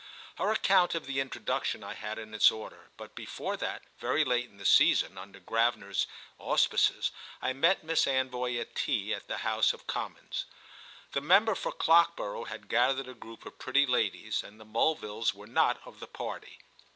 Her account of the introduction I had in its order, but before that, very late in the season, under Gravener's auspices, I met Miss Anvoy at tea at the House of Commons. The member for Clockborough had gathered a group of pretty ladies, and the Mulvilles were not of the party.